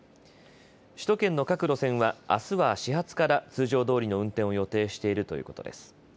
首都圏の各路線はあすは始発から通常どおりの運転を予定しているということです。